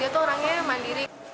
dia tuh orangnya mandiri